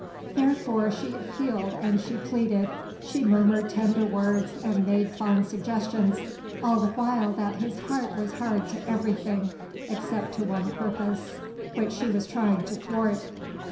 Therefore she appealed and she pleaded, she murmured tender words and made fond suggestions, all the while that his heart was hard to everything except to the one purpose which she was trying to thwart.